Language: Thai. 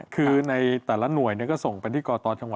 คือในแต่ละหน่วยก็ส่งไปที่กตจังหวัด